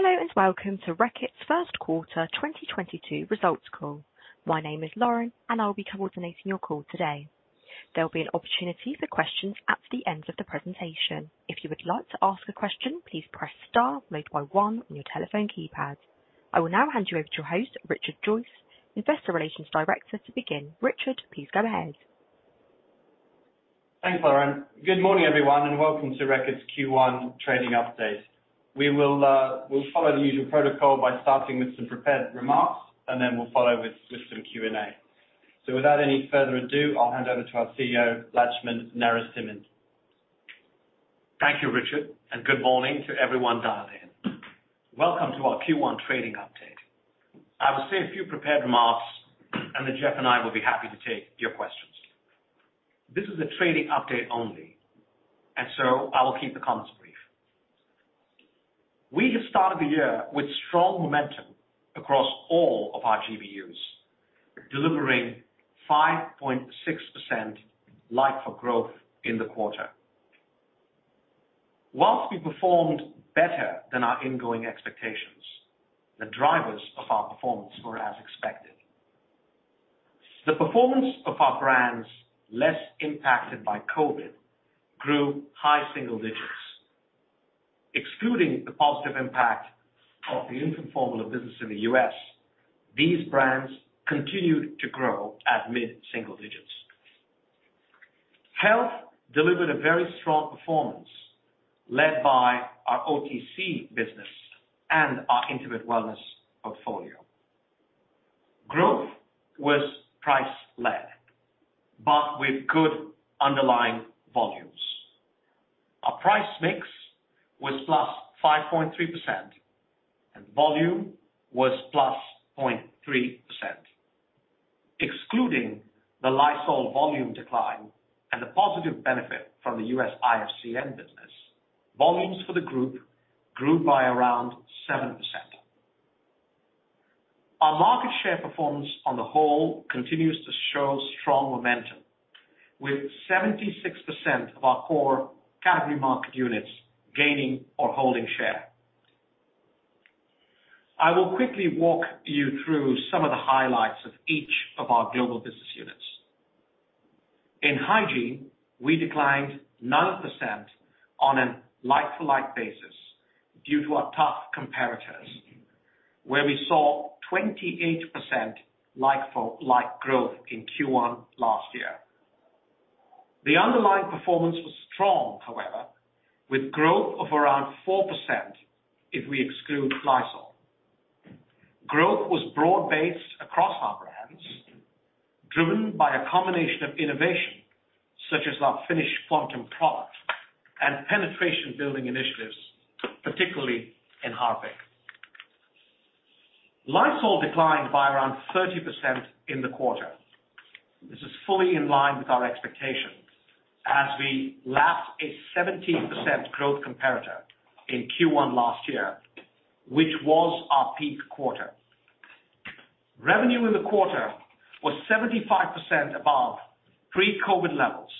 Hello and welcome to Reckitt's First Quarter 2022 Results Call. My name is Lauren, and I will be coordinating your call today. There'll be an opportunity for questions at the end of the presentation. If you would like to ask a question, please press star followed by one on your telephone keypad. I will now hand you over to your host, Richard Joyce, Investor Relations Director to begin. Richard, please go ahead. Thanks, Lauren. Good morning, everyone, and welcome to Reckitt's Q1 trading update. We will, we'll follow the usual protocol by starting with some prepared remarks, and then we'll follow with some Q&A. Without any further ado, I'll hand over to our CEO, Laxman Narasimhan. Thank you, Richard, and good morning to everyone dialled in. Welcome to our Q1 trading update. I will say a few prepared remarks, and then Jeff and I will be happy to take your questions. This is a trading update only, so I will keep the comments brief. We have started the year with strong momentum across all of our GBUs, delivering 5.6% like-for-like growth in the quarter. While we performed better than our ingoing expectations, the drivers of our performance were as expected. The performance of our brands less impacted by COVID grew high single digits. Excluding the positive impact of the infant formula business in the U.S., these brands continued to grow at mid-single digits. Health delivered a very strong performance led by our OTC business and our Intimate Wellness portfolio. Growth was price led, but with good underlying volumes. Our price mix was +5.3% and volume was +0.3%. Excluding the Lysol volume decline and the positive benefit from the US IFCN business, volumes for the group grew by around 7%. Our market share performance on the whole continues to show strong momentum with 76% of our core category market units gaining or holding share. I will quickly walk you through some of the highlights of each of our global business units. In hygiene, we declined -9% on a like-for-like basis due to our tough comparators, where we saw 28% like-for-like growth in Q1 last year. The underlying performance was strong, however, with growth of around 4% if we exclude Lysol. Growth was broad-based across our brands, driven by a combination of innovation such as our Finish Quantum product and penetration-building initiatives, particularly in Harpic. Lysol declined by around 30% in the quarter. This is fully in line with our expectations as we lap a 17% growth comparator in Q1 last year, which was our peak quarter. Revenue in the quarter was 75% above pre-COVID levels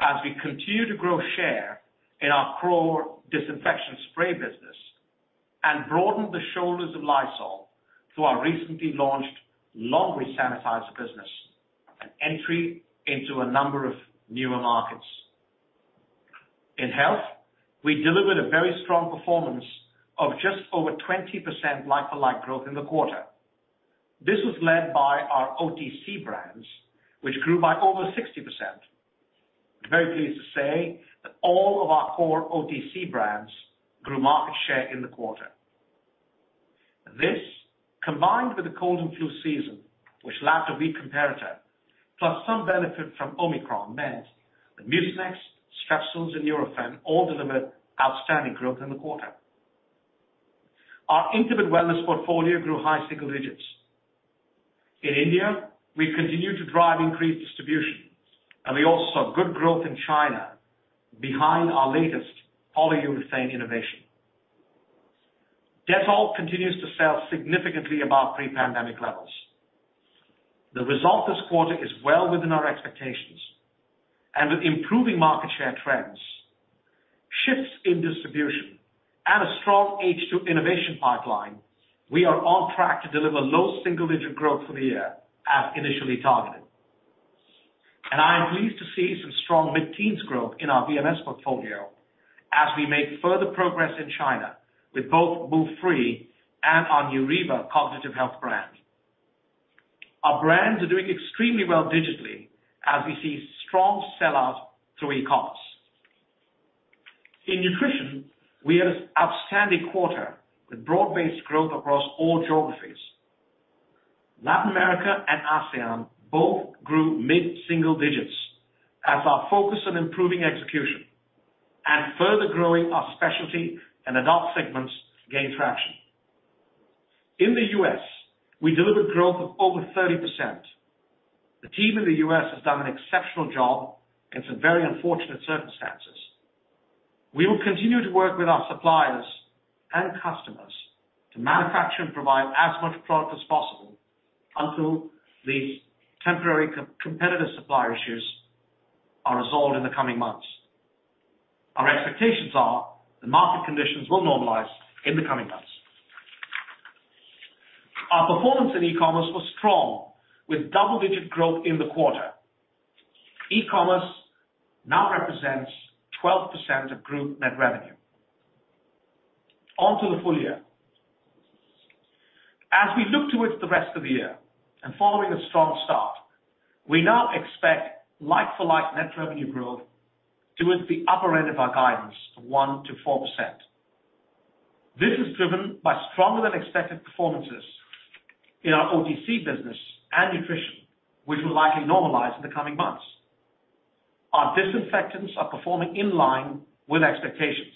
as we continue to grow share in our core disinfection spray business and broaden the shoulders of Lysol through our recently launched laundry sanitizer business and entry into a number of newer markets. In health, we delivered a very strong performance of just over 20% like-for-like growth in the quarter. This was led by our OTC brands, which grew by over 60%. I'm very pleased to say that all of our core OTC brands grew market share in the quarter. This, combined with the cold and flu season, which lapped a weak comparator, plus some benefit from Omicron, meant that Mucinex, Strepsils, and Nurofen all delivered outstanding growth in the quarter. Our Intimate Wellness portfolio grew high single digits. In India, we continue to drive increased distribution, and we also saw good growth in China behind our latest polyurethane innovation. Dettol continues to sell significantly above pre-pandemic levels. The result this quarter is well within our expectations, and with improving market share trends, shifts in distribution, and a strong H2 innovation pipeline, we are on track to deliver low single-digit growth for the year as initially targeted. I am pleased to see some strong mid-teens growth in our VMS portfolio as we make further progress in China with both Move Free and our Neuriva cognitive health brand. Our brands are doing extremely well digitally as we see strong sell-out through e-commerce. In nutrition, we had an outstanding quarter with broad-based growth across all geographies. Latin America and ASEAN both grew mid-single digits as our focus on improving execution and further growing our specialty and adult segments gained traction. In the US, we delivered growth of over 30%. The team in the US has done an exceptional job in some very unfortunate circumstances. We will continue to work with our suppliers and customers to manufacture and provide as much product as possible until these temporary competitive supply issues are resolved in the coming months. Our expectations are the market conditions will normalize in the coming months. Our performance in e-commerce was strong, with double-digit growth in the quarter. E-commerce now represents 12% of group net revenue. On to the full year. As we look towards the rest of the year, and following a strong start, we now expect like-for-like net revenue growth towards the upper end of our guidance of 1%-4%. This is driven by stronger than expected performances in our OTC business and nutrition, which will likely normalize in the coming months. Our disinfectants are performing in line with expectations,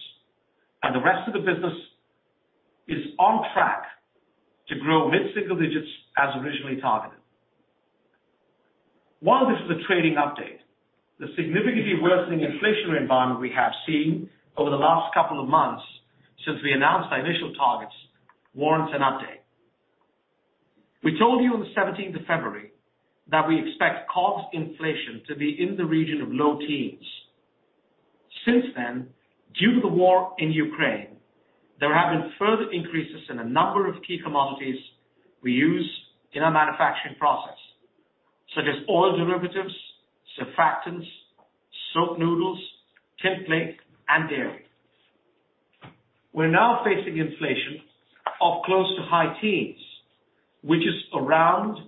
and the rest of the business is on track to grow mid-single digits as originally targeted. While this is a trading update, the significantly worsening inflationary environment we have seen over the last couple of months since we announced our initial targets warrants an update. We told you on the 17th of February that we expect COGS inflation to be in the region of low teens. Since then, due to the war in Ukraine, there have been further increases in a number of key commodities we use in our manufacturing process, such as oil derivatives, surfactants, soap noodles, tinplate, and dairy. We're now facing inflation of close to high teens%, which is around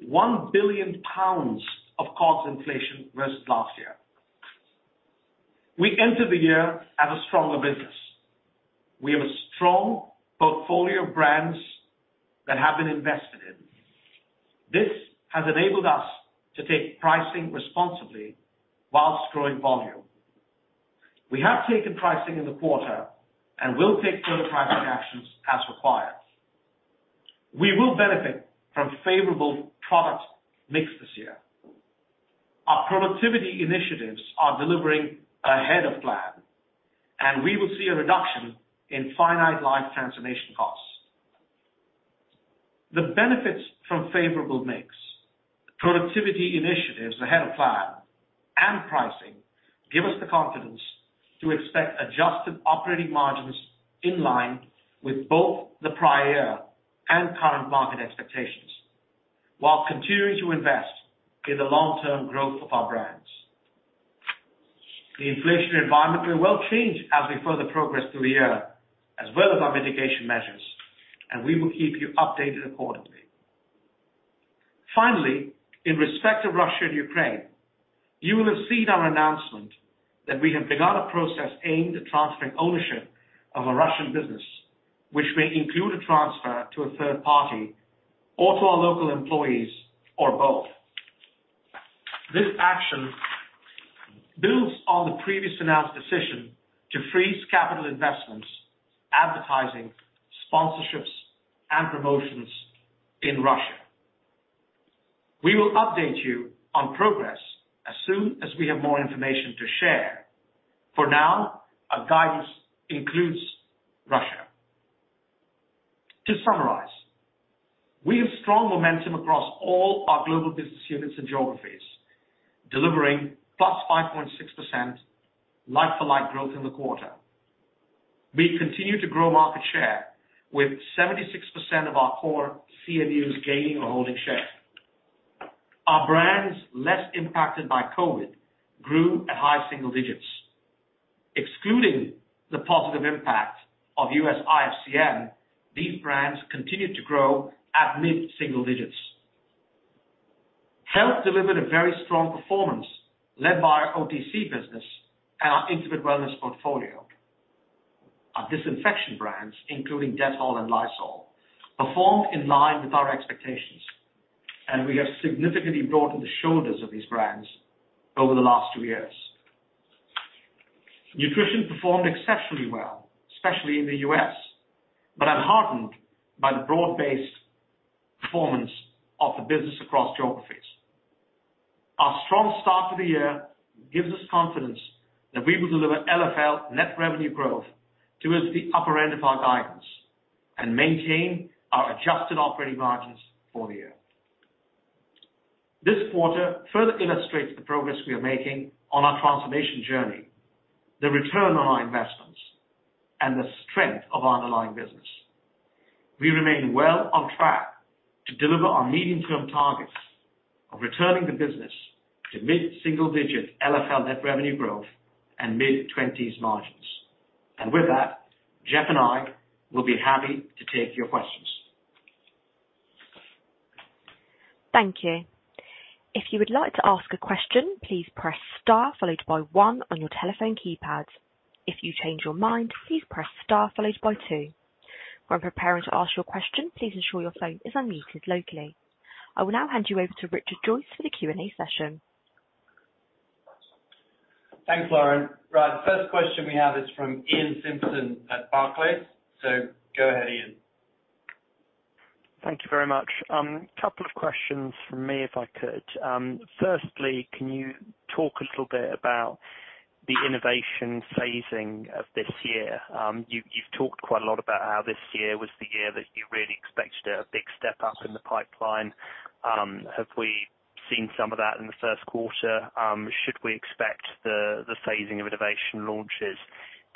1 billion pounds of COGS inflation versus last year. We entered the year as a stronger business. We have a strong portfolio of brands that have been invested in. This has enabled us to take pricing responsibly while growing volume. We have taken pricing in the quarter and will take further pricing actions as required. We will benefit from favourable product mix this year. Our productivity initiatives are delivering ahead of plan, and we will see a reduction in finite life transformation costs. The benefits from favourable mix, productivity initiatives ahead of plan, and pricing give us the confidence to expect adjusted operating margins in line with both the prior and current market expectations, while continuing to invest in the long-term growth of our brands. The inflationary environment may well change as we further progress through the year, as well as our mitigation measures, and we will keep you updated accordingly. Finally, in respect of Russia and Ukraine, you will have seen our announcement that we have begun a process aimed at transferring ownership of our Russian business, which may include a transfer to a third party or to our local employees or both. This action builds on the previously announced decision to freeze capital investments, advertising, sponsorships, and promotions in Russia. We will update you on progress as soon as we have more information to share. For now, our guidance includes Russia. To summarize, we have strong momentum across all our Global Business Units and geographies, delivering +5.6% like-for-like growth in the quarter. We continue to grow market share with 76% of our core CMUs gaining or holding share. Our brands less impacted by COVID grew at high single digits. Excluding the positive impact of US IFCN, these brands continued to grow at mid-single digits. Health delivered a very strong performance led by our OTC business and our Intimate Wellness portfolio. Our disinfection brands, including Dettol and Lysol, performed in line with our expectations, and we have significantly broadened the shoulders of these brands over the last 2 years. Nutrition performed exceptionally well, especially in the US, but I'm heartened by the broad-based performance of the business across geographies. Our strong start to the year gives us confidence that we will deliver LFL net revenue growth towards the upper end of our guidance and maintain our adjusted operating margins for the year. This quarter further illustrates the progress we are making on our transformation journey, the return on our investments, and the strength of our underlying business. We remain well on track to deliver our medium-term targets of returning the business to mid-single digit LFL net revenue growth and mid-twenties margins. With that, Jeff and I will be happy to take your questions. Thank you. If you would like to ask a question, please press star followed by one on your telephone keypad. If you change your mind, please press star followed by two. When preparing to ask your question, please ensure your phone is unmuted locally. I will now hand you over to Richard Joyce for the Q&A session. Thanks, Lauren. Right, the first question we have is from Iain Simpson at Barclays. Go ahead, Iain. Thank you very much. Couple of questions from me if I could. Firstly, can you talk a little bit about the innovation phasing of this year. You've talked quite a lot about how this year was the year that you really expected a big step up in the pipeline. Have we seen some of that in the Q1? Should we expect the phasing of innovation launches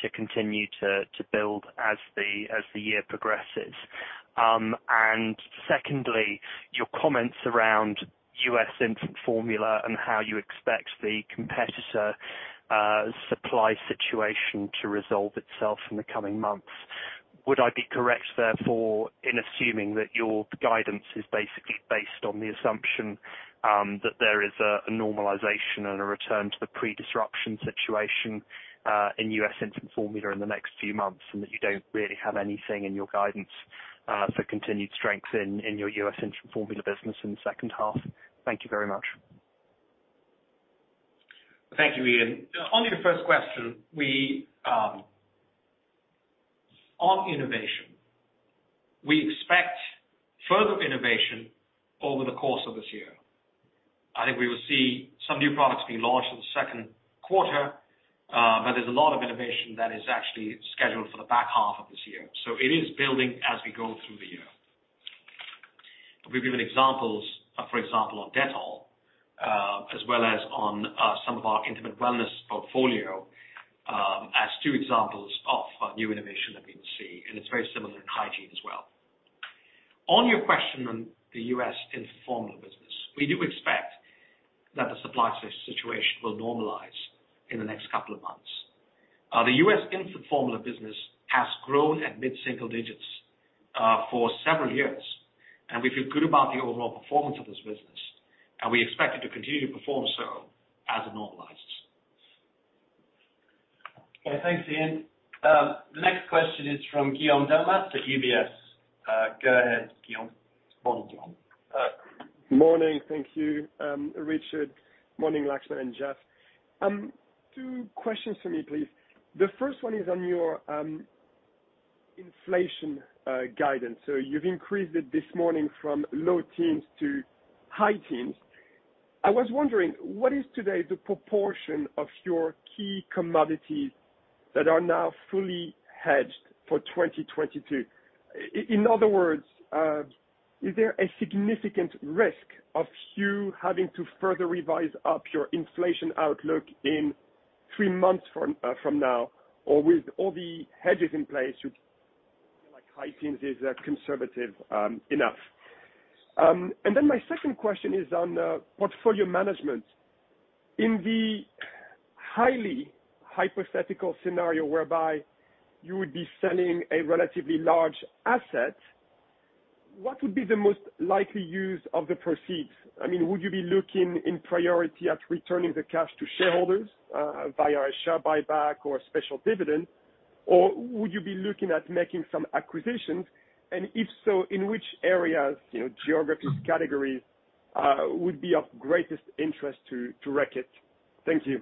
to continue to build as the year progresses? And secondly, your comments around U.S. infant formula and how you expect the competitor supply situation to resolve itself in the coming months. Would I be correct therefore in assuming that your guidance is basically based on the assumption, that there is a normalization and a return to the pre-disruption situation, in US infant formula in the next few months, and that you don't really have anything in your guidance, for continued strength in, your US infant formula business in the second half? Thank you very much. Thank you, Iain. On your first question, on innovation, we expect further innovation over the course of this year. I think we will see some new products being launched in the second quarter, but there's a lot of innovation that is actually scheduled for the back half of this year. It is building as we go through the year. We've given examples, for example, on Dettol, as well as on some of our Intimate Wellness portfolio, as two examples of new innovation that we can see, and it's very similar in hygiene as well. On your question on the US infant formula business, we do expect that the supply situation will normalize in the next couple of months. The U.S. infant formula business has grown at mid-single digits% for several years, and we feel good about the overall performance of this business, and we expect it to continue to perform so as it normalizes. Okay, thanks, Iain. The next question is from Guillaume Delmas of UBS. Go ahead, Guillaume. Morning. Thank you, Richard. Morning, Laxman and Jeff. Two questions for me, please. The first one is on your inflation guidance. You've increased it this morning from low teens to high teens. I was wondering, what is today the proportion of your key commodities that are now fully hedged for 2022? In other words, is there a significant risk of you having to further revise up your inflation outlook in three months from now? Or with all the hedges in place, you feel like high teens is conservative enough. My second question is on portfolio management. In the highly hypothetical scenario whereby you would be selling a relatively large asset, what would be the most likely use of the proceeds? I mean, would you be looking in priority at returning the cash to shareholders, via a share buyback or a special dividend? Or would you be looking at making some acquisitions, and if so, in which areas, you know, geographies, categories, would be of greatest interest to Reckitt? Thank you.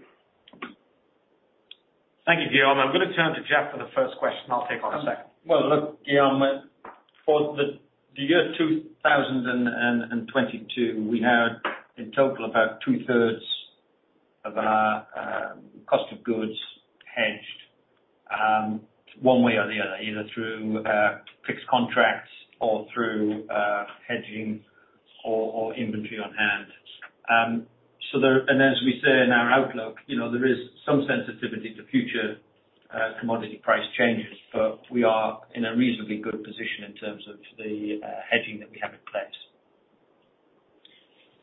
Thank you, Guillaume. I'm going to turn to Jeff for the first question. I'll take on the second. Well, look, Guillaume, for the year 2022, we had in total about 2/3 of our cost of goods hedged one way or the other, either through fixed contracts or through hedging or inventory on hand. As we say in our outlook, you know, there is some sensitivity to future commodity price changes, but we are in a reasonably good position in terms of the hedging that we have in place.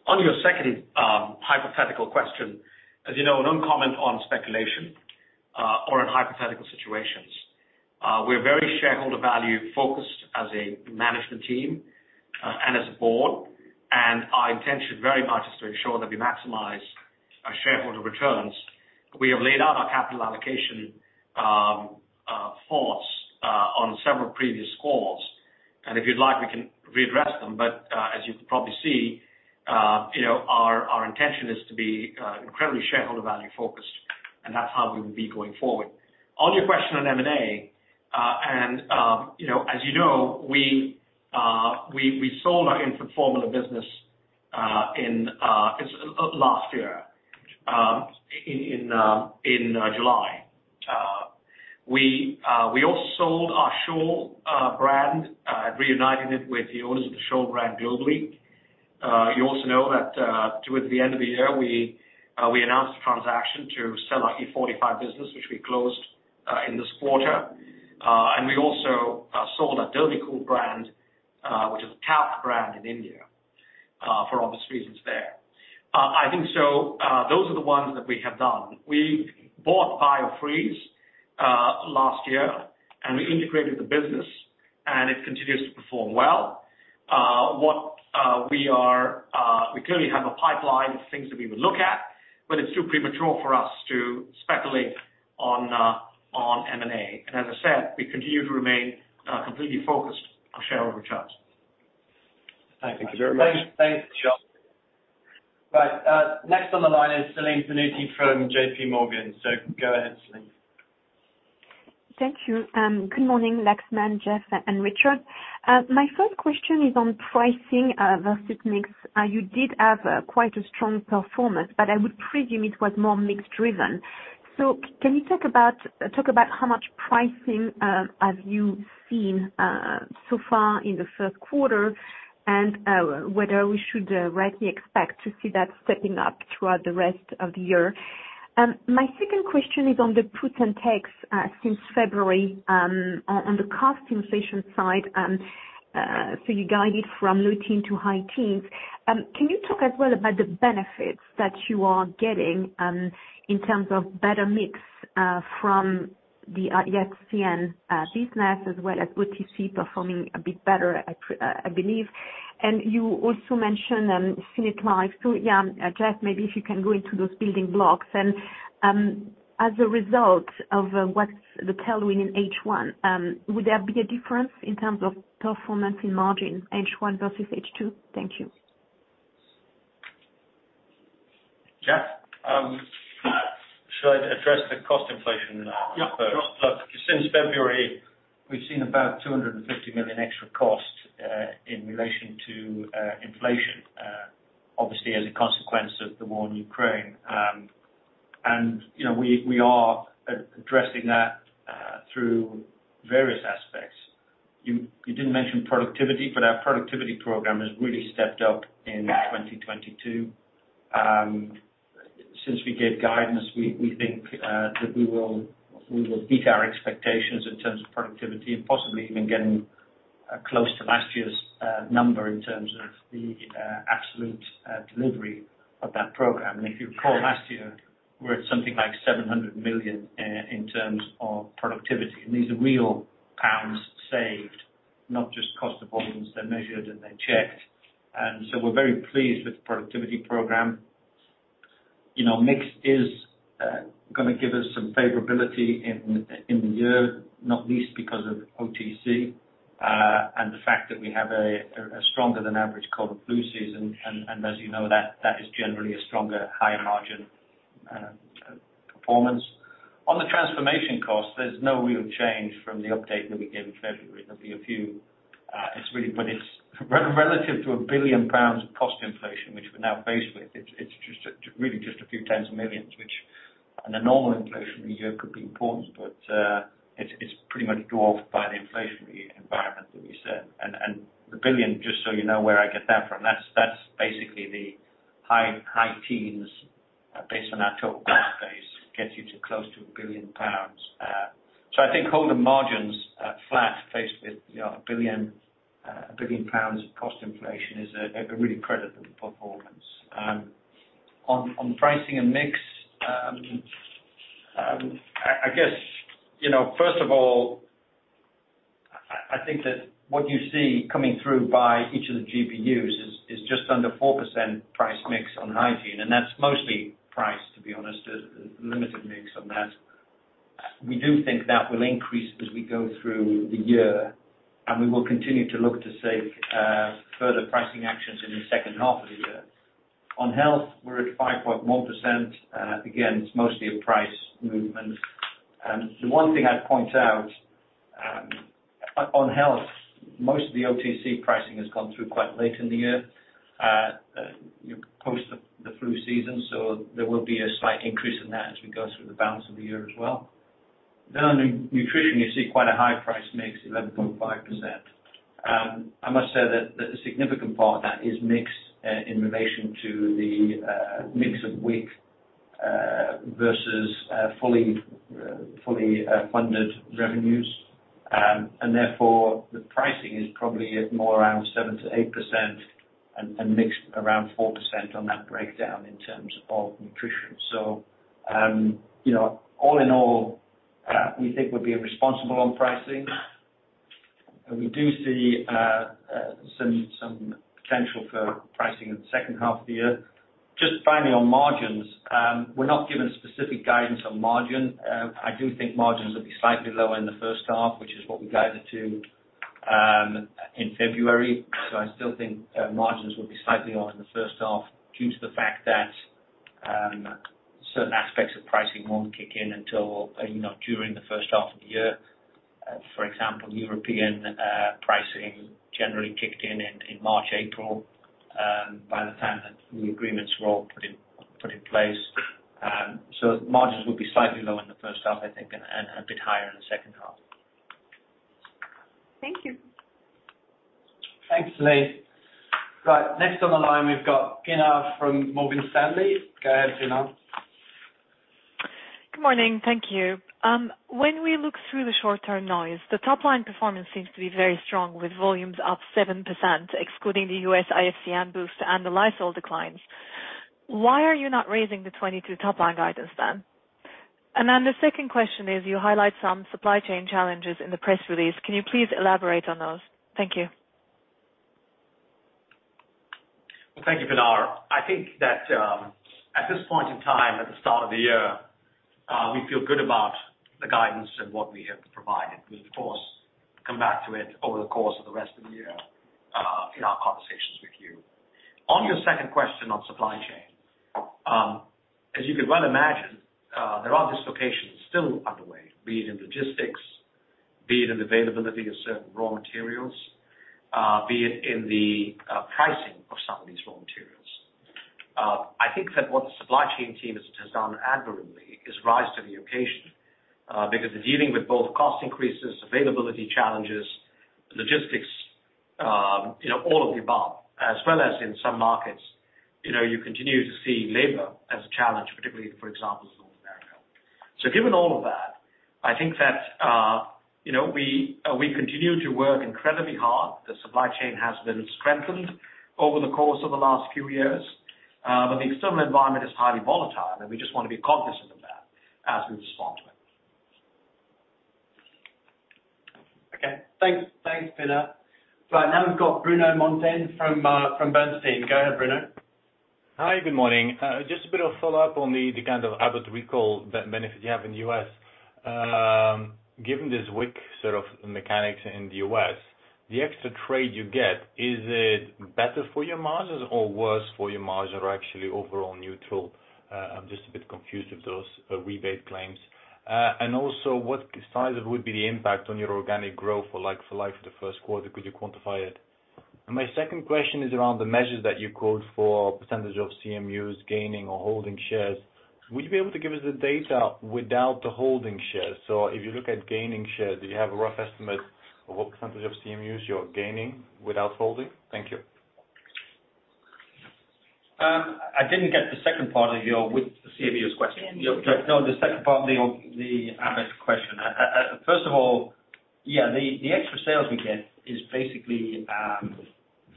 On your second hypothetical question, as you know, no comment on speculation or on hypothetical situations. We're very shareholder value focused as a management team and as a board, and our intention very much is to ensure that we maximize our shareholder returns. We have laid out our capital allocation thoughts on several previous calls, and if you'd like, we can readdress them. As you can probably see, you know, our intention is to be incredibly shareholder value focused, and that's how we will be going forward. On your question on M&A, and you know, as you know, we sold our infant formula business in its last year in July. We also sold our Sure brand, reuniting it with the owners of the Sure brand globally. You also know that, towards the end of the year, we announced a transaction to sell our E45 business, which we closed in this quarter. We also sold our Dettol brand, which is top brand in India, for obvious reasons there. I think so, those are the ones that we have done. We bought Biofreeze last year, and we integrated the business, and it continues to perform well. We clearly have a pipeline of things that we would look at, but it's too premature for us to speculate on M&A. As I said, we continue to remain completely focused on shareholder returns. Thank you very much. Thanks. Thanks, Jeff. Right. Next on the line is Celine Pannuti from JP Morgan. Go ahead, Celine. Thank you. Good morning Laxman, Jeff, and Richard. My first question is on pricing versus mix. You did have quite a strong performance, but I would presume it was more mix driven. Can you talk about how much pricing have you seen so far in the first quarter? And whether we should rightly expect to see that stepping up throughout the rest of the year. My second question is on the puts and takes since February on the cost inflation side. You guided from low-teen to high-teens. Can you talk as well about the benefits that you are getting in terms of better mix from the IFCN business, as well as OTC performing a bit better I believe. You also mentioned Finish. Yeah, Jeff, maybe if you can go into those building blocks. As a result of what's the tailwind in H1, would there be a difference in terms of performance and margin H1 versus H2? Thank you. Jeff? Should I address the cost inflation first? Yeah, sure. Look, since February, we've seen about 250 million extra costs in relation to inflation, obviously as a consequence of the war in Ukraine. You know, we are addressing that through various aspects. You didn't mention productivity, but our productivity program has really stepped up in 2022. Since we gave guidance, we think that we will beat our expectations in terms of productivity and possibly even getting close to last year's number in terms of the absolute delivery of that program. If you recall last year, we were at something like 700 million in terms of productivity. These are real pounds saved, not just cost of volumes. They're measured, and they're checked. We're very pleased with the productivity program. You know, mix is going to give us some favourability in the year, not least because of OTC and the fact that we have a stronger than average cold and flu season. As you know, that is generally a stronger higher margin performance. On the transformation cost, there's no real change from the update that we gave in February. There'll be a few, but it's really relative to 1 billion pounds of cost inflation, which we're now faced with. It's just really a few tens of millions which on a normal inflationary year could be important, but it's pretty much dwarfed by the inflationary environment that we set. The billion, just so you know where I get that from, that's basically the high teens based on our total cost base, gets you to close to 1 billion pounds. I think holding margins flat faced with, you know, 1 billion pounds of cost inflation is a really credible performance. On pricing and mix, I guess, you know, first of all, I think that what you see coming through by each of the GBUs is just under 4% price mix on Hygiene, and that's mostly price, to be honest, a limited mix on that. We do think that will increase as we go through the year, and we will continue to look to seek further pricing actions in the second half of the year. On Health, we're at 5.1%. Again, it's mostly a price movement. The one thing I'd point out, on Health, most of the OTC pricing has gone through quite late in the year, you know, post the flu season, so there will be a slight increase in that as we go through the balance of the year as well. On Nutrition you see quite a high price mix, 11.5%. I must say that a significant part of that is mix, in relation to the mix of WIC versus fully funded revenues. Therefore the pricing is probably at more around 7%-8% and mixed around 4% on that breakdown in terms of Nutrition. You know, all in all, we think we're being responsible on pricing. We do see some potential for pricing in the second half of the year. Just finally on margins, we're not giving specific guidance on margin. I do think margins will be slightly lower in the first half, which is what we guided to in February. I still think margins will be slightly lower in the first half due to the fact that certain aspects of pricing won't kick in until you know, during the first half of the year. For example, European pricing generally kicked in in March, April, by the time that the agreements were all put in place. Margins will be slightly lower in the first half, I think, and a bit higher in the second half. Thank you. Thanks, Celine. Right. Next on the line, we've got Pinar from Morgan Stanley. Go ahead, Pinar. Good morning. Thank you. When we look through the short-term noise, the top line performance seems to be very strong with volumes up 7%, excluding the US IFCN boost and the Lysol declines. Why are you not raising the 2022 top line guidance then? The second question is, you highlight some supply chain challenges in the press release. Can you please elaborate on those? Thank you. Well, thank you, Pinar. I think that at this point in time, at the start of the year, we feel good about the guidance and what we have provided. We'll of course come back to it over the course of the rest of the year in our conversations. On your second question on supply chain, as you can well imagine, there are dislocations still underway, be it in logistics, be it in availability of certain raw materials, be it in the pricing of some of these raw materials. I think that what the supply chain team has done admirably is rise to the occasion, because they're dealing with both cost increases, availability challenges, logistics, you know, all of the above, as well as in some markets, you know, you continue to see labor as a challenge, particularly for example, in North America. Given all of that, I think that, you know, we continue to work incredibly hard. The supply chain has been strengthened over the course of the last few years, but the external environment is highly volatile, and we just want to be cognizant of that as we respond to it. Okay. Thanks. Thanks, Pinar. Right, now we've got Bruno Monteyne from Bernstein. Go ahead, Bruno. Hi, good morning. Just a bit of follow-up on the kind of Abbott recall that benefit you have in the US. Given this WIC sort of mechanics in the US, the extra trade you get, is it better for your margins or worse for your margin, or actually overall neutral? I'm just a bit confused with those rebate claims. Also, what size would be the impact on your organic growth for like-for-like the? Could you quantify it? My second question is around the measures that you quote for percentage of CMUs gaining or holding shares. Would you be able to give us the data without the holding shares? So if you look at gaining shares, do you have a rough estimate of what percentage of CMUs you are gaining without holding? Thank you. I didn't get the second part of your question with the CMUs. No, the second part, the Abbott question. First of all, the extra sales we get is basically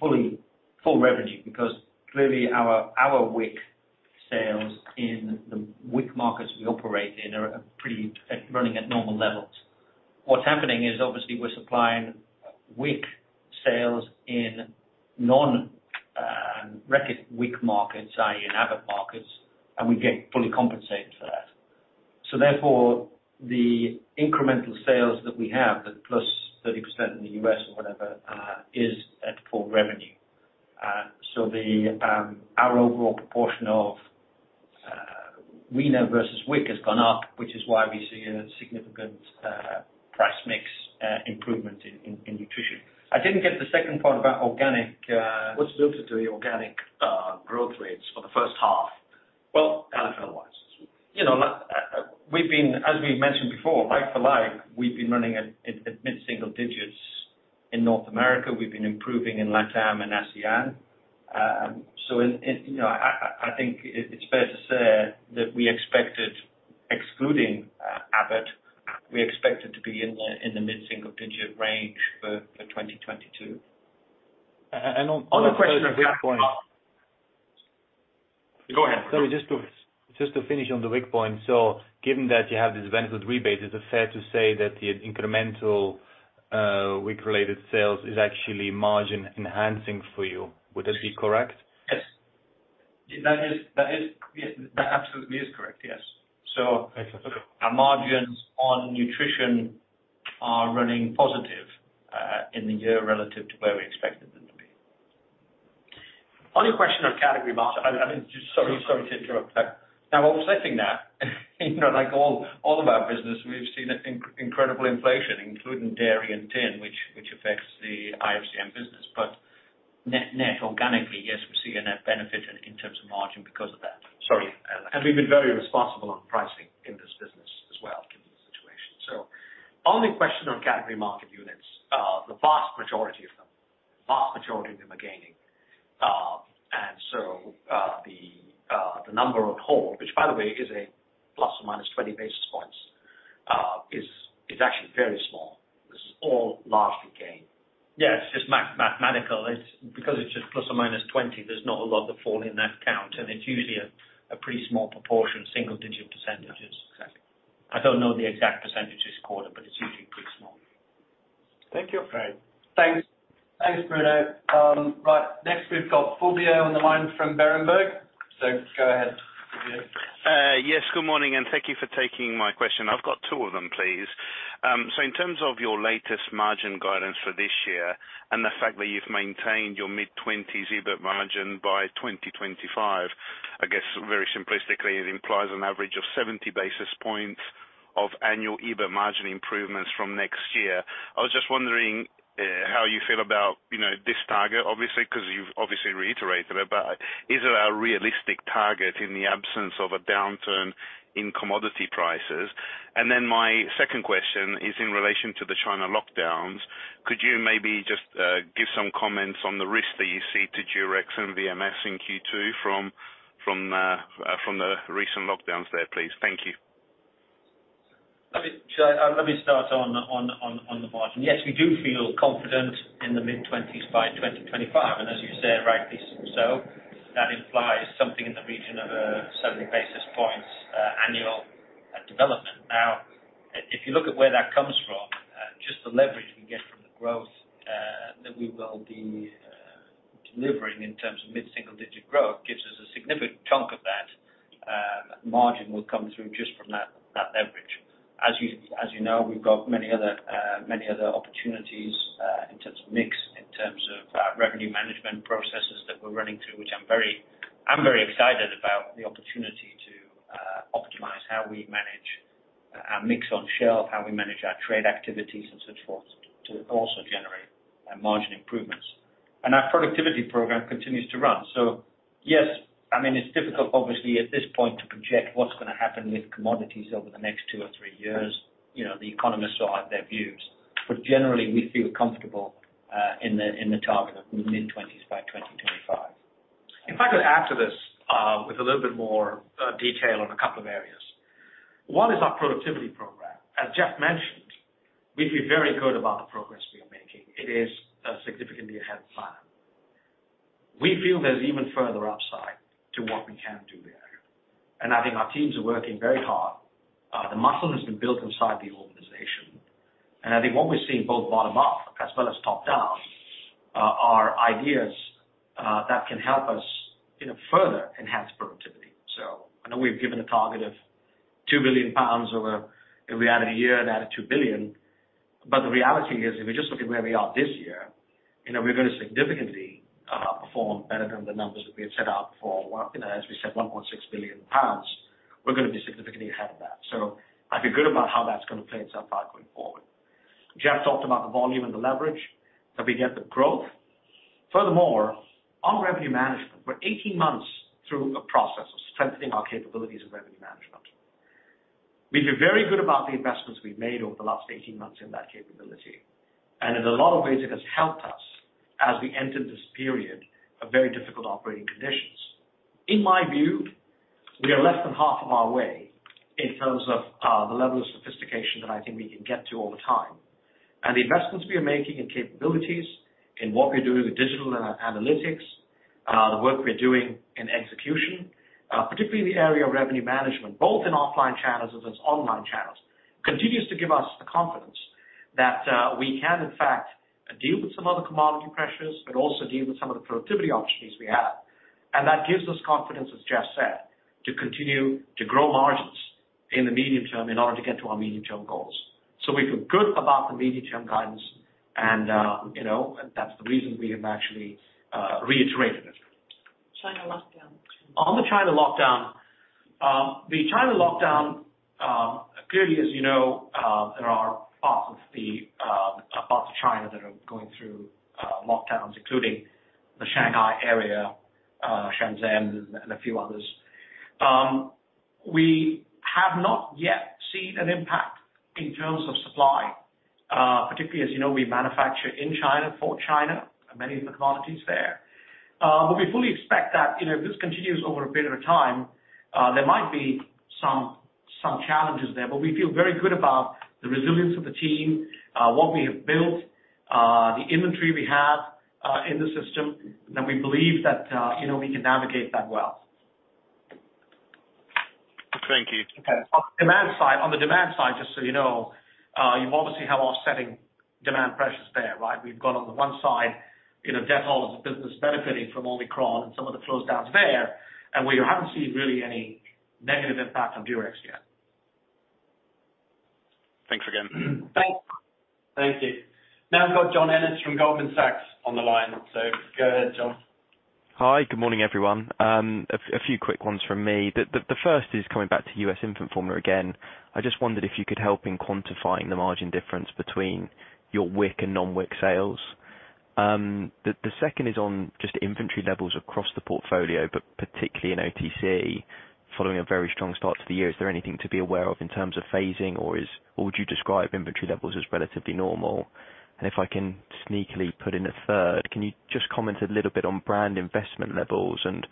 full revenue because clearly our WIC sales in the WIC markets we operate in are pretty much running at normal levels. What's happening is obviously we're supplying WIC sales in non-WIC markets, i.e. in Abbott markets, and we get fully compensated for that. Therefore, the incremental sales that we have, the +30% in the US or whatever, is at full revenue. Our overall proportion of non-WIC versus WIC has gone up, which is why we see a significant price mix improvement in nutrition. I didn't get the second part about organic. What's the factor to the organic growth rates for the first half? Well, comparables. You know, we've been. As we've mentioned before, like for like, we've been running at mid-single digits in North America. We've been improving in LatAm and ASEAN. So in, you know, I think it's fair to say that we expected excluding Abbott, we expected to be in the mid-single digit range for 2022. On the question of. Go ahead. Sorry, just to finish on the WIC point. Given that you have this benefit rebate, is it fair to say that the incremental WIC related sales is actually margin enhancing for you? Would that be correct? Yes. That is, yeah, that absolutely is correct, yes. Okay. Our margins on nutrition are running positive in the year relative to where we expected them to be. On your question on category market units, I mean, just sorry to interrupt. Offsetting that, you know, like all of our business we've seen incredible inflation, including dairy and tin, which affects the IFCN business. But net organically, yes, we see a net benefit in terms of margin because of that. Sorry. We've been very responsible on pricing in this business as well given the situation. On the question on category market units, the vast majority of them are gaining. And so, the number on hold, which by the way is a plus or minus 20 basis points, is actually very small. This is all largely gain. Yeah, it's just mathematical. It's because it's just ±20, there's not a lot that fall in that count, and it's usually a pretty small proportion, single-digit percentages. Exactly. I don't know the exact percentage for the quarter, but it's usually pretty small. Thank you. Great. Thanks. Thanks, Bruno. Right, next we've got Fulvio on the line from Berenberg. Go ahead, Fulvio. Yes. Good morning, and thank you for taking my question. I've got two of them, please. So in terms of your latest margin guidance for this year and the fact that you've maintained your mid-20s EBIT margin by 2025, I guess very simplistically it implies an average of 70 basis points of annual EBIT margin improvements from next year. I was just wondering how you feel about, you know, this target obviously, because you've obviously reiterated it, but is it a realistic target in the absence of a downturn in commodity prices? My second question is in relation to the China lockdowns. Could you maybe just give some comments on the risk that you see to Durex and VMS in Q2 from the recent lockdowns there, please? Thank you. Let me start on the margin. Yes, we do feel confident in the mid-20s by 2025. As you say, rightly so, that implies something in the region of 70 basis points annual development. Now, if you look at where that comes from, just the leverage we get from the growth that we will be delivering in terms of mid-single-digit growth gives us a significant chunk of that. Margin will come through just from that. As you know, we've got many other opportunities in terms of mix, in terms of revenue management processes that we're running through, which I'm very I'm very excited about the opportunity to optimize how we manage our mix on shelf, how we manage our trade activities, and so forth, to also generate margin improvements. Our productivity program continues to run. Yes, I mean, it's difficult obviously at this point to project what's going to happen with commodities over the next two or three years. You know, the economists will have their views. Generally, we feel comfortable in the target of mid-20s by 2025. If I could add to this, with a little bit more, detail on a couple of areas. One is our productivity program. As Jeff mentioned, we feel very good about the progress we are making. It is, significantly ahead of plan. We feel there's even further upside to what we can do there, and I think our teams are working very hard. The muscle has been built inside the organization. I think what we're seeing both bottom up as well as top down, are ideas, that can help us, you know, further enhance productivity. I know we've given a target of 2 billion pounds over. If we added a year and added 2 billion. The reality is, if we just look at where we are this year, you know, we're going to significantly perform better than the numbers that we have set out for GBP 1.6 billion. You know, as we said, we're going to be significantly ahead of that. I feel good about how that's going to play itself out going forward. Jeff talked about the volume and the leverage that we get the growth. Furthermore, on revenue management, we're 18 months through a process of strengthening our capabilities of revenue management. We feel very good about the investments we've made over the last 18 months in that capability. In a lot of ways, it has helped us as we entered this period of very difficult operating conditions. In my view, we are less than half of our way in terms of the level of sophistication that I think we can get to over time. The investments we are making in capabilities, in what we're doing with digital analytics, the work we're doing in execution, particularly in the area of revenue management, both in offline channels as online channels, continues to give us the confidence that we can in fact deal with some of the commodity pressures, but also deal with some of the productivity opportunities we have. That gives us confidence, as Jeff said, to continue to grow margins in the medium term in order to get to our medium-term goals. We feel good about the medium-term guidance and, you know, and that's the reason we have actually reiterated it. China lockdown. On the China lockdown, clearly as you know, there are parts of China that are going through lockdowns, including the Shanghai area, Shenzhen and a few others. We have not yet seen an impact in terms of supply, particularly as, you know, we manufacture in China for China and many of the commodities there. But we fully expect that, you know, if this continues over a period of time, there might be some challenges there, but we feel very good about the resilience of the team, what we have built, the inventory we have in the system, and we believe that, you know, we can navigate that well. Thank you. Okay. On demand side, just so you know, you obviously have offsetting demand pressures there, right? We've got on the 1 side, you know, Dettol as a business benefiting from Omicron and some of the lockdowns there. We haven't seen really any negative impact on Durex yet. Thanks again. Thanks. Thank you. Now I've got John Ennis from Goldman Sachs on the line. Go ahead, John. Hi. Good morning, everyone. A few quick ones from me. The first is coming back to US Infant Formula again. I just wondered if you could help in quantifying the margin difference between your WIC and non-WIC sales. The second is on just inventory levels across the portfolio, but particularly in OTC. Following a very strong start to the year, is there anything to be aware of in terms of phasing or would you describe inventory levels as relatively normal? If I can sneakily put in a third, can you just comment a little bit on brand investment levels and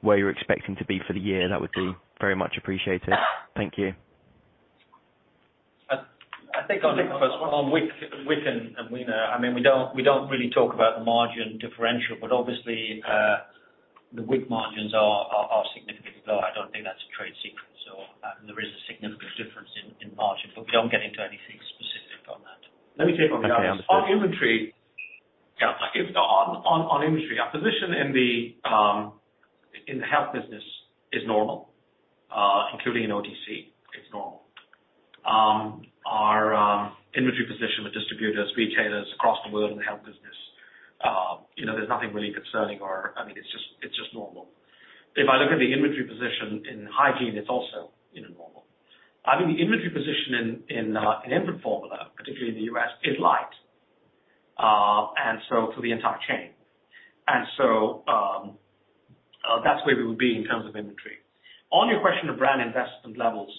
where you're expecting to be for the year? That would be very much appreciated. Thank you. I think I'll take the first one. On WIC and non-WIC. I mean, we don't really talk about the margin differential, but obviously, the WIC margins are significantly low. I don't think that's a trade secret. There is a significant difference in margin, but we don't get into anything specific on that. Let me take on the other. Okay, understood. On inventory. Yeah. On inventory, our position in the health business is normal. Including in OTC, it's normal. Our inventory position with distributors, retailers across the world in the health business, you know, there's nothing really concerning. I mean, it's just normal. If I look at the inventory position in hygiene, it's also, you know, normal. I mean, the inventory position in infant formula, particularly in the US, is light. Through the entire chain. That's where we will be in terms of inventory. On your question of brand investment levels,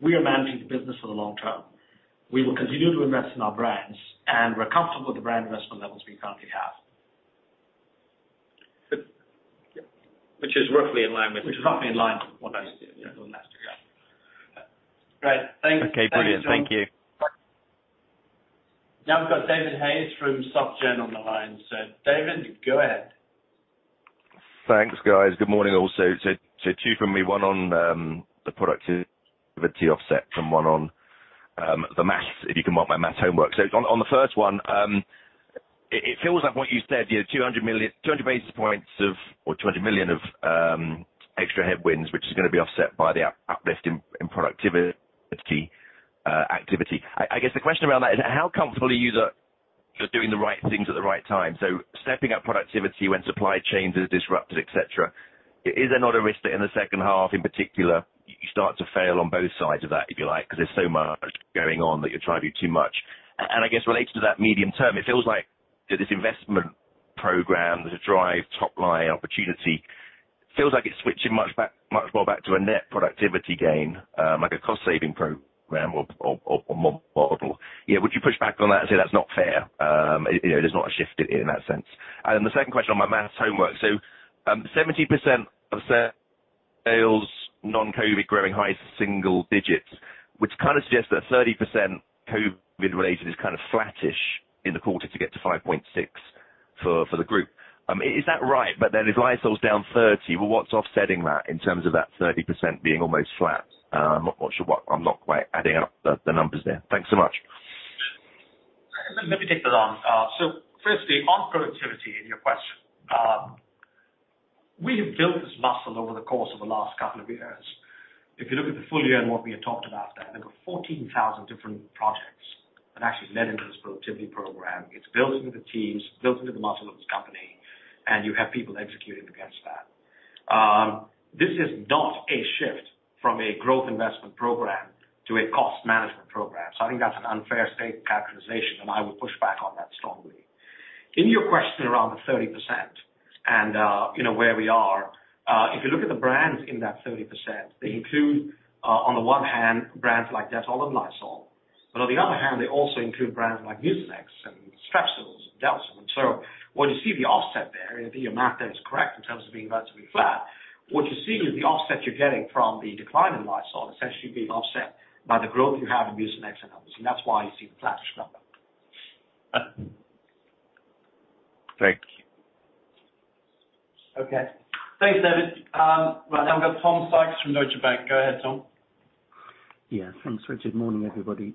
we are managing the business for the long term. We will continue to invest in our brands, and we're comfortable with the brand investment levels we currently have. Which is roughly in line with. Which is roughly in line with what I said. Yeah. Yeah. Great. Thanks. Okay. Brilliant. Thank you. Now we've got David Hayes from Jefferies on the line. David, go ahead. Thanks, guys. Good morning also. 2 from me, 1 on the productivity offset and one on the math, if you can mark my math homework. On the first one, it feels like what you said, you know, 200 basis points or 20 million of extra headwinds, which is going to be offset by the uplift in productivity activity. I guess the question around that is how comfortable are you that you're doing the right things at the right time. Stepping up productivity when supply chain is disrupted, et cetera, is there not a risk that in the second half, in particular, you start to fail on both sides of that, if you like, 'cause there's so much going on that you're trying to do too much. I guess related to that medium term, it feels like that this investment program to drive top-line opportunity feels like it's switching much more back to a net productivity gain, like a cost saving program or model. You know, would you push back on that and say, that's not fair? You know, there's not a shift in that sense. The second question on my math homework, so, 70% of sales non-COVID growing high single digits, which kind of suggests that 30% COVID-related is kind of flattish in the quarter to get to 5.6 for the group. Is that right? But then if Lysol's down 30, well, what's offsetting that in terms of that 30% being almost flat? I'm not sure what. I'm not quite adding up the numbers there. Thanks so much. Let me take that on. First, on productivity, your question. We have built this muscle over the course of the last couple of years. If you look at the full year and what we had talked about, there were 14,000 different projects that actually led into this productivity program. It's built into the teams, built into the muscle of this company, and you have people executing against that. This is not a shift from a growth investment program to a cost management program. I think that's an unfair characterization, and I would push back on that strongly. In your question around the 30% and, you know, where we are, if you look at the brands in that 30%, they include, on the 1 hand, brands like Dettol and Lysol, but on the other hand, they also include brands like Mucinex and Strepsils, Delsym. What you see the offset there, I think your math there is correct in terms of being relatively flat. What you're seeing is the offset you're getting from the decline in Lysol essentially being offset by the growth you have in Mucinex and others. That's why you see the flattish number. Thank you. Okay. Thanks, David. Right now we've got Tom Sykes from Deutsche Bank. Go ahead, Tom. Yeah. Thanks, Richard. Morning, everybody.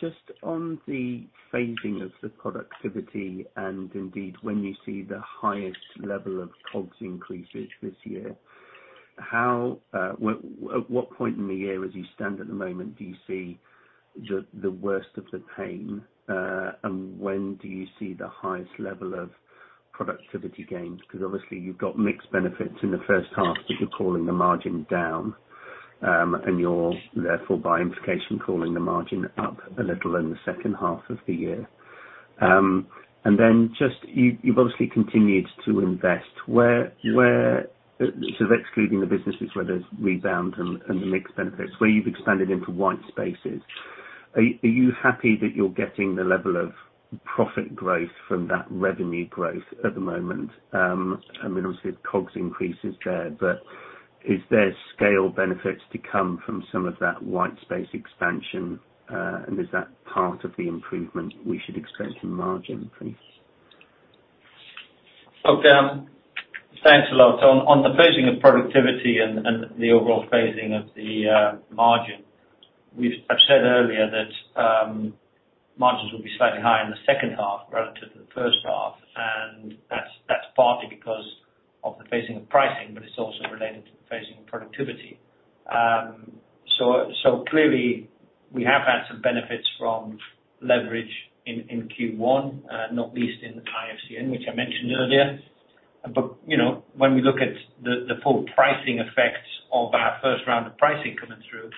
Just on the phasing of the productivity and indeed when you see the highest level of COGS increases this year, how at what point in the year, as you stand at the moment, do you see the worst of the pain, and when do you see the highest level of productivity gains? Because obviously you've got mixed benefits in the first half, but you're calling the margin down, and you're therefore by implication, calling the margin up a little in the second half of the year. Then just you've obviously continued to invest where, where, sort of excluding the businesses, where there's rebound and the mixed benefits, where you've expanded into white spaces, are you happy that you're getting the level of profit growth from that revenue growth at the moment? I mean, obviously COGS increase is there, but is there scale benefits to come from some of that white space expansion, and is that part of the improvement we should expect in margin increase? Look, thanks a lot, Tom. On the phasing of productivity and the overall phasing of the margin, I've said earlier that margins will be slightly higher in the second half relative to the first half, and that's partly because of the phasing of pricing, but it's also related to the phasing of productivity. So clearly we have had some benefits from leverage in Q1, not least in the IFCN, which I mentioned earlier. You know, when we look at the full pricing effects of our first round of pricing coming through,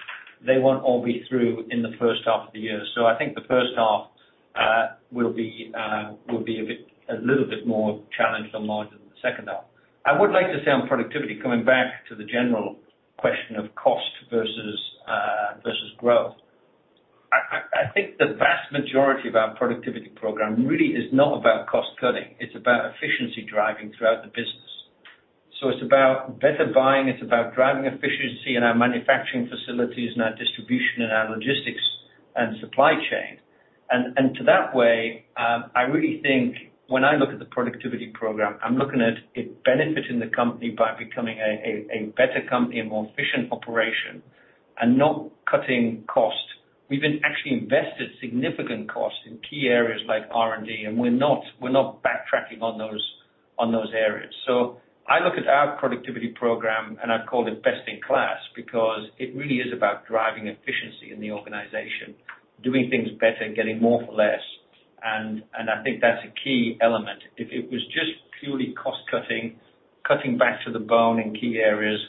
they won't all be through in the first half of the year. I think the first half will be a bit, a little bit more challenged on margin than the second half. I would like to say on productivity, coming back to the general question of cost versus growth. I think the vast majority of our productivity program really is not about cost cutting, it's about driving efficiency throughout the business. It's about better buying, it's about driving efficiency in our manufacturing facilities and our distribution and our logistics and supply chain. In that way, I really think when I look at the productivity program, I'm looking at it benefiting the company by becoming a better company, a more efficient operation, and not cutting costs. We've actually invested significant costs in key areas like R&D, and we're not backtracking on those areas. I look at our productivity program, and I call it best in class because it really is about driving efficiency in the organization, doing things better and getting more for less. I think that's a key element. If it was just purely cost cutting back to the bone in key areas,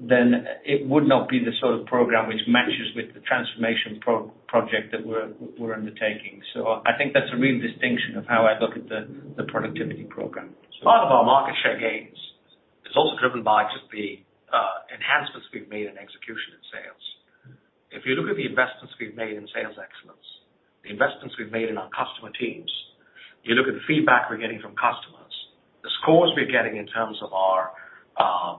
then it would not be the sort of program which matches with the transformation project that we're undertaking. I think that's a real distinction of how I look at the productivity program. Part of our market share gains is also driven by just the enhancements we've made in execution in sales. If you look at the investments we've made in sales excellence, the investments we've made in our customer teams, you look at the feedback we're getting from customers, the scores we're getting in terms of our,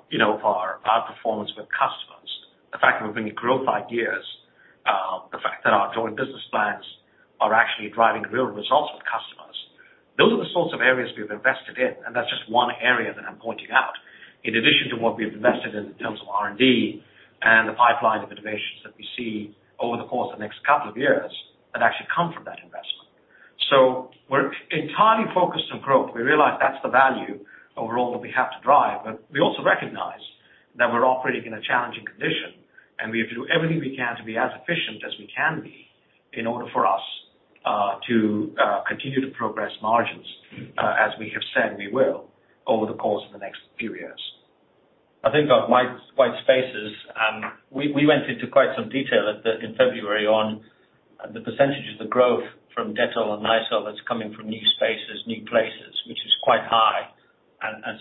you know, our performance with customers, the fact that we're bringing growth ideas, the fact that our joint business plans are actually driving real results with customers. Those are the sources of areas we have invested in, and that's just 1 area that I'm pointing out. In addition to what we've invested in terms of R&D and the pipeline of innovations that we see over the course of the next couple of years that actually come from that investment. We're entirely focused on growth. We realize that's the value overall that we have to drive, but we also recognize that we're operating in a challenging condition, and we have to do everything we can to be as efficient as we can be in order for us to continue to progress margins, as we have said we will over the course of the next few years. I think about white spaces, we went into quite some detail in February on the percentage of the growth from Dettol and Lysol that's coming from new spaces, new places, which is quite high.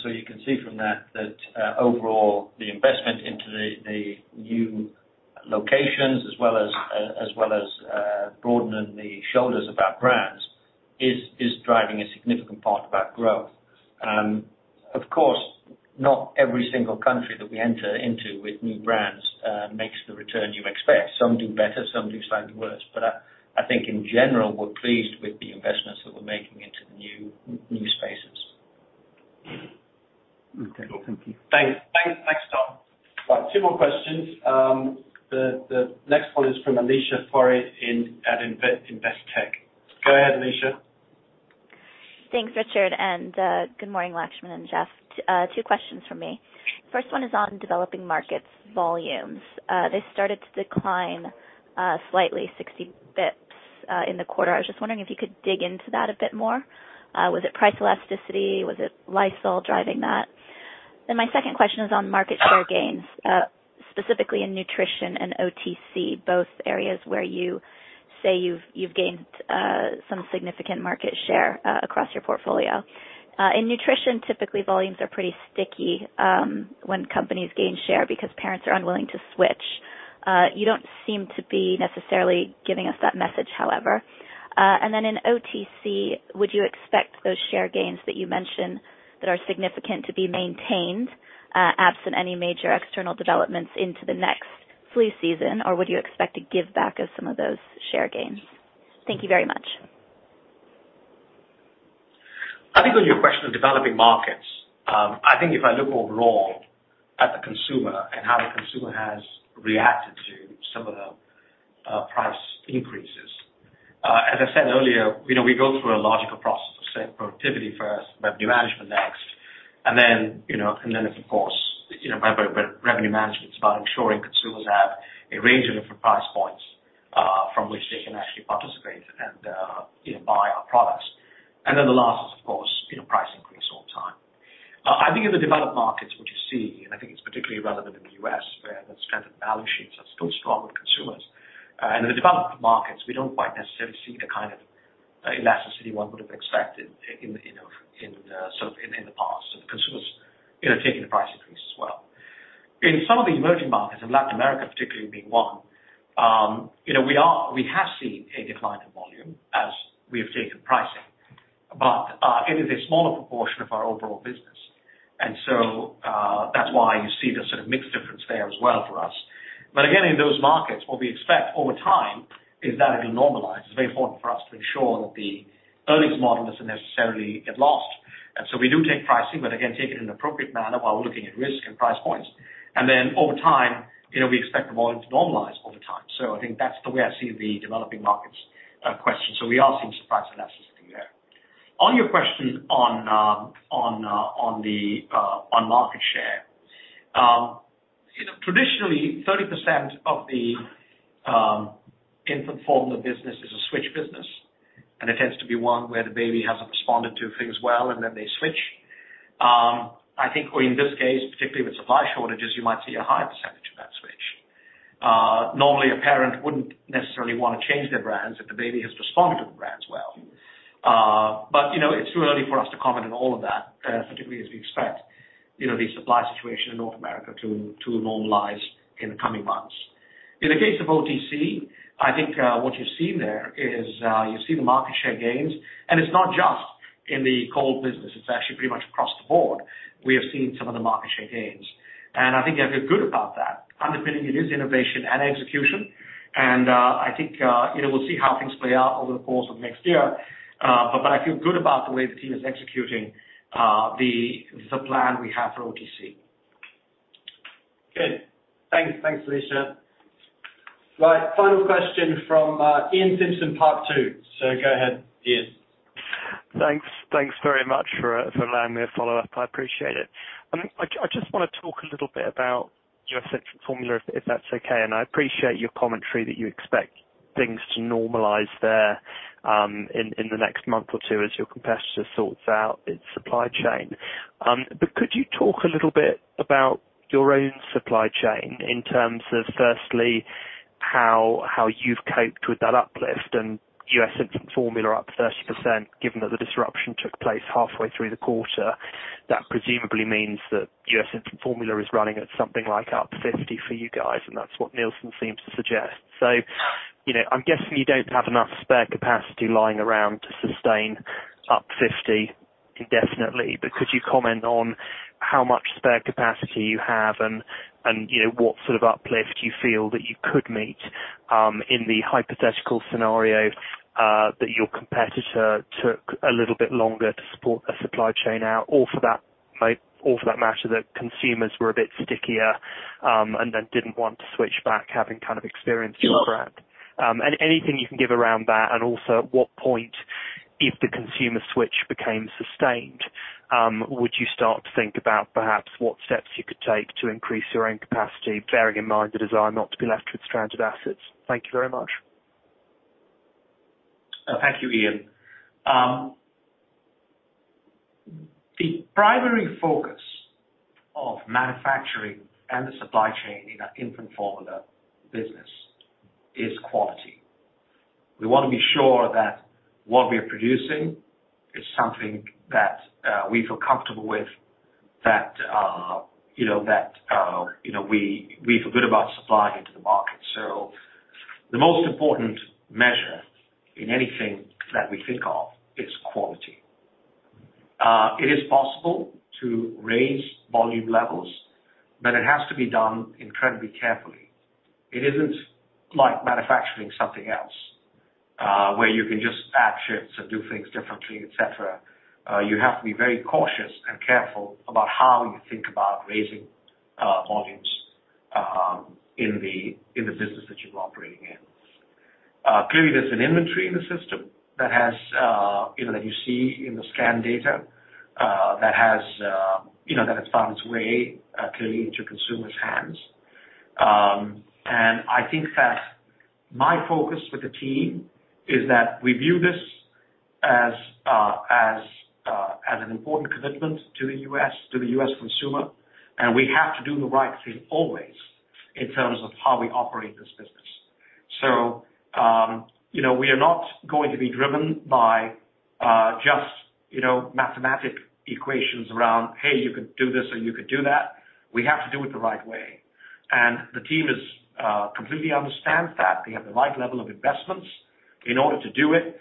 You can see from that that overall the investment into the new locations as well as broadening the shoulders of our brands is driving a significant part of our growth. Of course, not every single country that we enter into with new brands makes the return you expect. Some do better, some do slightly worse. I think in general, we're pleased with the investments that we're making into the new spaces. Okay. Cool. Thank you. Thanks, Tom. Right. Two more questions. The next 1 is from Alicia Forry at Investec. Go ahead, Alicia. Thanks, Richard, and good morning Laxman and Jeff. Two questions from me. First one is on developing markets volumes. They started to decline slightly 60 basis points in the quarter. I was just wondering if you could dig into that a bit more. Was it price elasticity? Was it Lysol driving that? My second question is on market share gains, specifically in nutrition and OTC, both areas where you say you've gained some significant market share across your portfolio. In nutrition, typically volumes are pretty sticky when companies gain share because parents are unwilling to switch. You don't seem to be necessarily giving us that message, however. In OTC, would you expect those share gains that you mentioned that are significant to be maintained, absent any major external developments into the next flu season? Would you expect to give back some of those share gains? Thank you very much. I think on your question of developing markets, I think if I look overall at the consumer and how the consumer has reacted to some of the price increases, as I said earlier, you know, we go through a logical process of setting productivity first, revenue management next, and then, you know, and then of course, you know, revenue management is about ensuring consumers have a range of different price points, from which they can actually participate and, you know, buy our products. And then the last is of course, you know, price increase all the time. I think in the developed markets, what you see, and I think it's particularly relevant in the US, where the strength of balance sheets are still strong with consumers. In the developed markets, we don't quite necessarily see the kind of elasticity 1 would have expected in the past. The consumers, you know, taking the price increase as well. In some of the emerging markets in Latin America, particularly being 1, you know, we have seen a decline in volume as we have taken pricing, but it is a smaller proportion of our overall business. That's why you see the sort of mixed difference there as well for us. Again, in those markets, what we expect over time is that it'll normalize. It's very important for us to ensure that the earnings model doesn't necessarily get lost. We do take pricing, but again, take it in an appropriate manner while we're looking at risk and price points. Over time, you know, we expect the volume to normalize over time. I think that's the way I see the developing markets question. We are seeing some price elasticity there. On your question on market share, you know, traditionally 30% of the infant formula business is a switch business, and it tends to be 1 where the baby hasn't responded to things well, and then they switch. I think or in this case, particularly with supply shortages, you might see a higher percentage of that switch. Normally a parent wouldn't necessarily want to change their brands if the baby has responded to the brands well. you know, it's too early for us to comment on all of that, particularly as we expect, you know, the supply situation in North America to normalize in the coming months. In the case of OTC, I think, what you're seeing there is, you see the market share gains, and it's not just in the cold business, it's actually pretty much across the board. We have seen some of the market share gains, and I think I feel good about that. Underpinning it is innovation and execution, and, I think, you know, we'll see how things play out over the course of next year. I feel good about the way the team is executing, the plan we have for OTC. Good. Thanks. Thanks, Alicia. Right, final question from Iain Simpson, part two. Go ahead, Iain. Thanks. Thanks very much for allowing me to follow up. I appreciate it. I just want to talk a little bit about US infant formula, if that's okay. I appreciate your commentary that you expect things to normalize there, in the next month or 2 as your competitor sorts out its supply chain. But could you talk a little bit about your own supply chain in terms of, firstly, how you've coped with that uplift and US infant formula up 30%, given that the disruption took place halfway through the quarter? That presumably means that US infant formula is running at something like up 50% for you guys, and that's what Nielsen seems to suggest. You know, I'm guessing you don't have enough spare capacity lying around to sustain up 50% indefinitely, but could you comment on how much spare capacity you have and, you know, what sort of uplift you feel that you could meet, in the hypothetical scenario that your competitor took a little bit longer to sort the supply chain out or for that matter, that consumers were a bit stickier and then didn't want to switch back having kind of experienced your brand. Anything you can give around that, and also at what point, if the consumer switch became sustained, would you start to think about perhaps what steps you could take to increase your own capacity, bearing in mind the desire not to be left with stranded assets? Thank you very much. Thank you, Iain. The primary focus of manufacturing and the supply chain in our infant formula business is quality. We want to be sure that what we are producing is something that we feel comfortable with, you know, that we feel good about supplying into the market. The most important measure in anything that we think of is quality. It is possible to raise volume levels, but it has to be done incredibly carefully. It isn't like manufacturing something else, where you can just add shifts and do things differently, et cetera. You have to be very cautious and careful about how you think about raising volumes in the business that you're operating in. Clearly there's an inventory in the system that has, you know, that you see in the scan data, that has found its way clearly into consumers' hands. I think that my focus with the team is that we view this as an important commitment to the U.S., to the U.S. consumer, and we have to do the right thing always in terms of how we operate this business. You know, we are not going to be driven by, just, you know, mathematical equations around, "Hey, you could do this or you could do that." We have to do it the right way. The team completely understands that. We have the right level of investments in order to do it.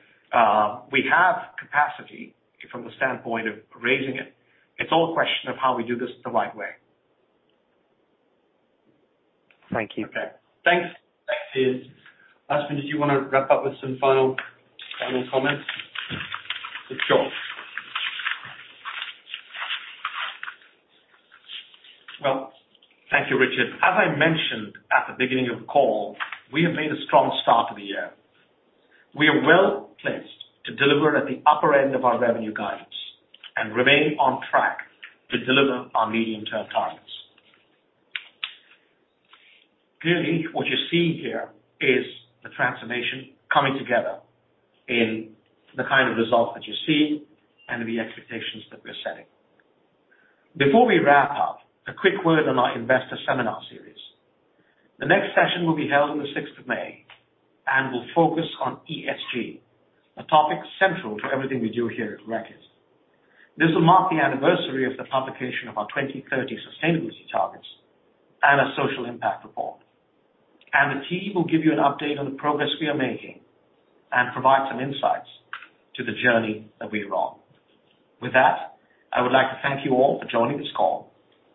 We have capacity from the standpoint of raising it. It's all a question of how we do this the right way. Thank you. Okay. Thanks. Thanks, Iain. Laxman, did you want to wrap up with some final comments? Sure. Well, thank you, Richard. As I mentioned at the beginning of the call, we have made a strong start to the year. We are well-placed to deliver at the upper end of our revenue guidance and remain on track to deliver our medium-term targets. Clearly, what you're seeing here is the transformation coming together in the kind of result that you're seeing and the expectations that we're setting. Before we wrap up, a quick word on our investor seminar series. The next session will be held on the 6th of May and will focus on ESG, a topic central to everything we do here at Reckitt. This will mark the anniversary of the publication of our 2030 sustainability targets and a social impact report. The team will give you an update on the progress we are making and provide some insights to the journey that we are on. With that, I would like to thank you all for joining this call,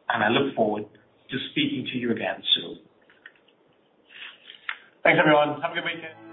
and I look forward to speaking to you again soon. Thanks, everyone. Have a great day.